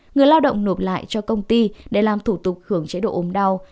người lao động nộp lại cho công ty để làm thủ tục hưởng chế độ ốm đau